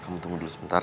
kamu tunggu dulu sebentar